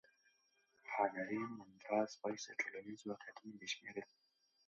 هانري مندراس وایي چې ټولنیز واقعیتونه بې شمېره دي.